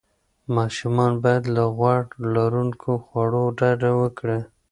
ماشومان باید له غوړ لروونکو خوړو ډډه وکړي.